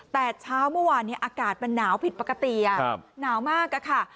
แต่เช้าเมื่อวานอากาศมันหนาวผิดปกติหนาวมากอะค่ะ